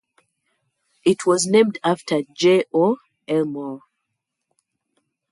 It was named after J. O. Elmore.